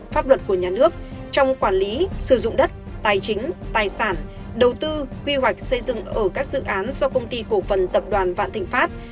pháp luật của nhà nước trong quản lý sử dụng đất tài chính tài sản đầu tư quy hoạch xây dựng ở các dự án do công ty cổ phần tập đoàn vạn thịnh pháp